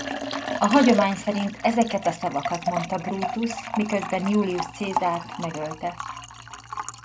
A hagyomány szerint ezeket a szavakat mondta Brutus miközben Julius Caesart megölte.